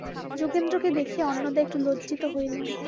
যোগেন্দ্রকে দেখিয়া অন্নদা একটু লজ্জিত হইলেন।